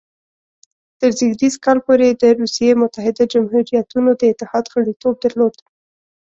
تر زېږدیز کال پورې یې د روسیې متحده جمهوریتونو د اتحاد غړیتوب درلود.